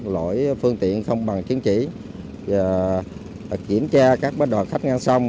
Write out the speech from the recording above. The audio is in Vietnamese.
lỗi phương tiện không bằng chiến trị kiểm tra các bất đoàn khách ngang sông